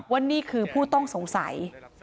ว่านี่คือผู้ต้องสงสัย